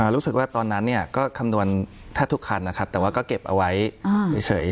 รู้สึกว่าตอนนั้นก็คำนวณแทบทุกคันนะครับแต่ว่าก็เก็บเอาไว้เฉย